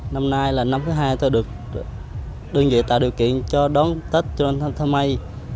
năm nay là năm thứ hai tôi được đơn vị tạo điều kiện cho đón tết trần trần nam thờ mây